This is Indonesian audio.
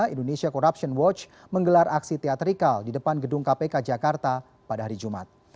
indonesia corruption watch menggelar aksi teatrikal di depan gedung kpk jakarta pada hari jumat